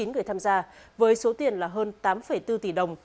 chín mươi chín người tham gia với số tiền là hơn tám bốn tỷ đồng